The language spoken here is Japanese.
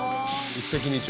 一石二鳥。